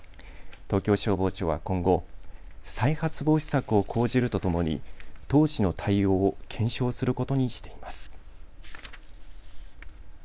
東京消防庁は今後、再発防止策を講じるとともに当時の対応を検証することにしています。